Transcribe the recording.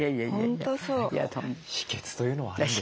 秘けつというのはあるんですか？